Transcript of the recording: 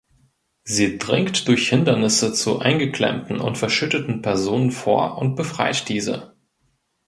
Sie dringt durch Hindernisse zu eingeklemmten und verschütteten Personen vor und befreit diese.